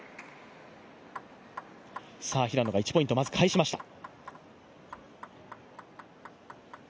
平野が１ポイント、まず返しました。